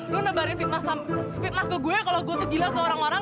lu nebari fitnah sama fitnah ke gue kalo gue tuh gila ke orang orang